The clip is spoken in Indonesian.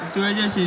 itu saja sih